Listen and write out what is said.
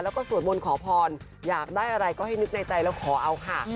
แล้วก็สวดมนต์ขอพรอยากได้อะไรก็ให้นึกในใจแล้วขอเอาค่ะ